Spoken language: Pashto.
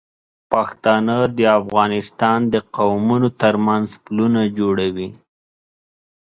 پښتانه د افغانستان د قومونو تر منځ پلونه جوړوي.